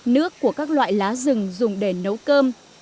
nước của các loại lá rừng dùng để nấu cơm